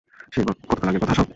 সেই কতকাল আগের কথা সব!